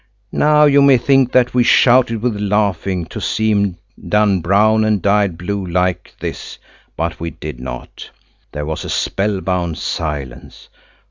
Now, you may think that we shouted with laughing to see him done brown and dyed blue like this, but we did not. There was a spellbound silence.